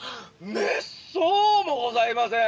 「めっそうもございません！」。